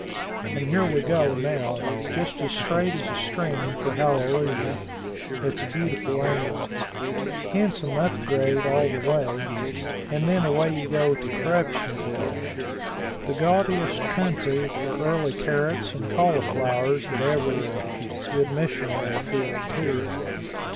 And here we go, now, just as straight as a string for Hallelujah it's a beautiful angle handsome up grade all the way and then away you go to Corruptionville, the gaudiest country for early carrots and cauliflowers that ever good missionary field, too.